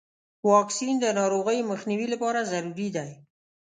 واکسین د ناروغیو مخنیوي لپاره ضروري دی.